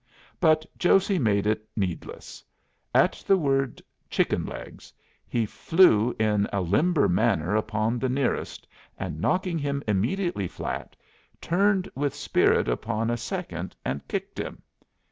But Josey made it needless. At the word "Chicken legs" he flew in a limber manner upon the nearest, and knocking him immediately flat, turned with spirit upon a second and kicked him.